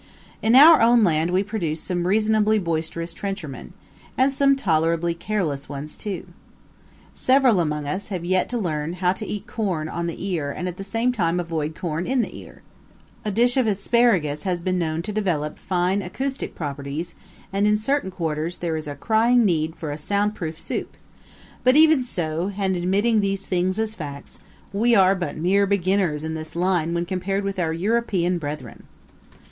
In our own land we produce some reasonably boisterous trenchermen, and some tolerably careless ones too. Several among us have yet to learn how to eat corn on the ear and at the same time avoid corn in the ear. A dish of asparagus has been known to develop fine acoustic properties, and in certain quarters there is a crying need for a sound proof soup; but even so, and admitting these things as facts, we are but mere beginners in this line when compared with our European brethren.